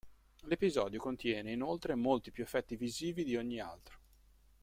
L'episodio contiene inoltre molti più effetti visivi di ogni altro.